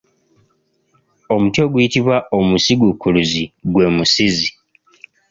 Omuti oguyitibwa omusiguukuluzi gwe Musizi.